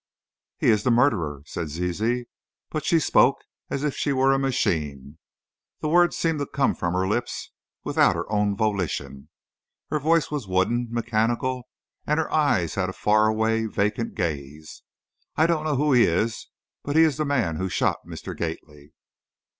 "He is the murderer," said Zizi, but she spoke as if she were a machine. The words seemed to come from her lips without her own volition; her voice was wooden, mechanical, and her eyes had a far away, vacant gaze. "I don't know who he is, but he is the man who shot Mr. Gately."